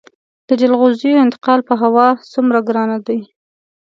د جلغوزیو انتقال په هوا څومره ګران دی؟